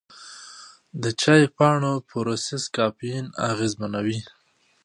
د چای پاڼو پروسس کافین اغېزمنوي.